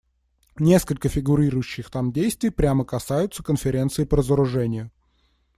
Несколько фигурирующих там действий прямо касаются Конференции по разоружению.